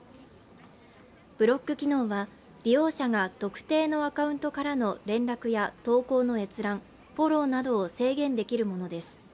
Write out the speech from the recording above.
ブロック機能は利用者が特定のアカウントからの連絡や投稿の閲覧、フォローなどを制限できるものです。